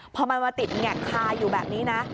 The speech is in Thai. พอมันมาติดแงกคาอยู่แบบนี้นะ